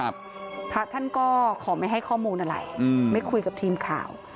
พระท่านก็ขอไม่ให้ข้อมูลอะไรอืมไม่คุยกับทีมข่าว